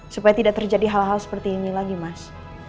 supaya tidak terjadi hal hal seperti ini lagi mas